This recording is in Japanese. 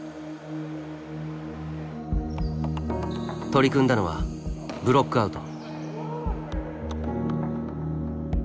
取り組んだのはブロックアウト。